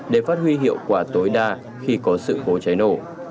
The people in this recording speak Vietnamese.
để phát huy hiệu quả tối đa khi có sự cố cháy nổ